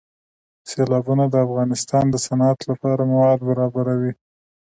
سیلابونه د افغانستان د صنعت لپاره مواد برابروي.